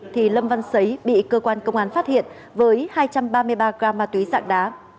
thì lâm văn xấy bị cơ quan công an phát hiện với hai trăm ba mươi ba gam ma túy dạng đá